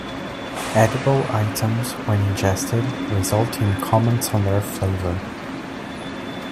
Edible items, when ingested, result in comments on their flavor.